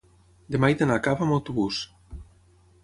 demà he d'anar a Cava amb autobús.